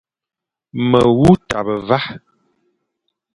Me wu tabe va,